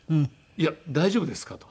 いや大丈夫ですか？と。